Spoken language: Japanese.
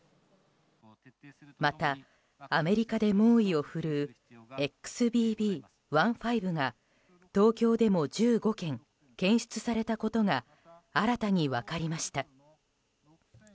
また、アメリカで猛威を振るうＸＢＢ．１．５が東京でも１５件検出されたことが新たに分かりました。